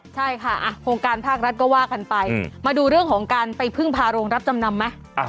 ใช่ค่ะโครงการภาครัฐก็ว่ากันไปมาดูเรื่องของการไปพึ่งพาโรงรับจำนำไหม